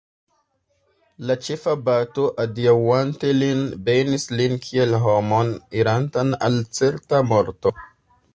La ĉefabato, adiaŭante lin, benis lin kiel homon, irantan al certa morto.